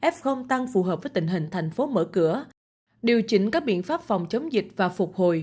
f tăng phù hợp với tình hình thành phố mở cửa điều chỉnh các biện pháp phòng chống dịch và phục hồi